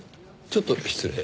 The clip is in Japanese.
ちょっと失礼。